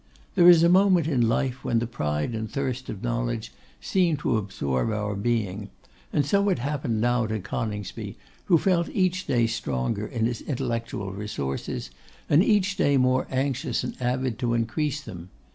There is a moment in life, when the pride and thirst of knowledge seem to absorb our being, and so it happened now to Coningsby, who felt each day stronger in his intellectual resources, and each day more anxious and avid to increase them.